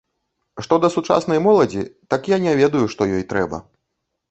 Што да сучаснай моладзі, так я не ведаю, што ёй трэба.